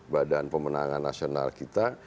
badan pemenangan nasional kita